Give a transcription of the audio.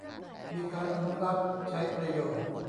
มีการอนุรักษ์ใช้ประโยชน์